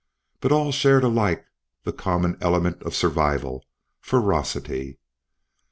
But all shared alike in the common element of survival ferocity.